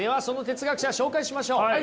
その哲学者紹介しましょう！